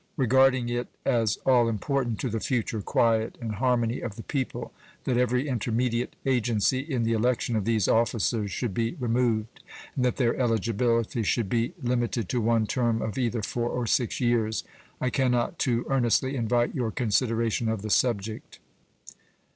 Regarding it as all important to the future quiet and harmony of the people that every intermediate agency in the election of these officers should be removed and that their eligibility should be limited to one term of either four or six years, I can not too earnestly invite your consideration of the subject.